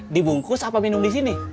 dibungkus apa minum disini